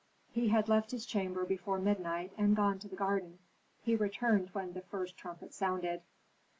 He had left his chamber before midnight, and gone to the garden; he returned when the first trumpet sounded.